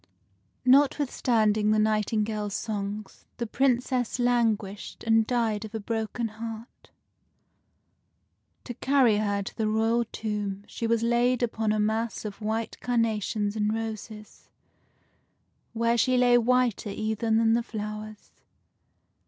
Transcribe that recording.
Notwithstanding the nightingale's songs, the Princess languished and died of a broken heart. To carry her to the THE PRINCESS BIRDIE 39 royal tomb, she was laid upon a mass of white carnations and roses, where she lay whiter even than the flowers.